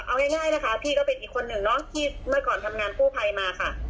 เอาง่ายนะคะพี่ก็เป็นอีกคนหนึ่งเนาะที่เมื่อก่อนทำงานกู้ภัยมาค่ะ